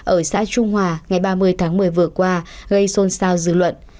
ở xã trung hòa ngày ba mươi tháng một mươi vừa qua gây xôn xao dư luận